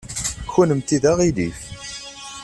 Kennemti d aɣilif.